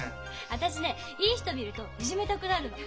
私ねいい人見るといじめたくなるの。